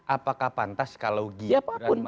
apakah pantas kalau gitu